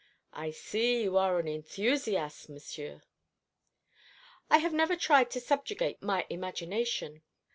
"I see you are an enthusiast, Monsieur." "I have never tried to subjugate my imagination.